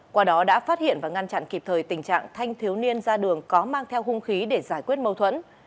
qua đó đã phát hiện và ngăn chặn kịp thời tình trạng thanh thiếu niên ra đường có mang theo hung khí để giải quyết mâu thuẫn